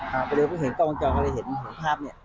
ก็เลยเห็นกล้องมังจอก็เลยเห็นภาพเนี่ย